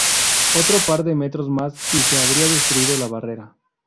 Otro par de metros más y se habría destruido la barrera.